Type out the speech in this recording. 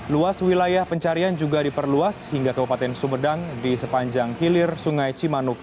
luas wilayah pencarian juga diperluas hingga kabupaten sumedang di sepanjang hilir sungai cimanuk